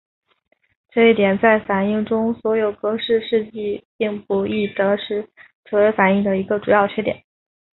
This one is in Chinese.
这一点在反应中所用格氏试剂并不易得时成为反应的一个主要缺点。